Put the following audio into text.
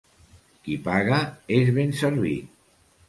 Qui paga és ben servit.